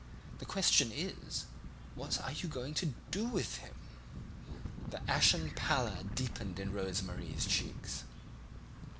The question is: What are you going to do with him?" The ashen pallor deepened in Rose Marie's cheeks.